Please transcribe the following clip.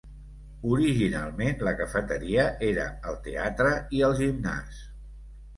Originalment, la cafeteria era el teatre i el gimnàs.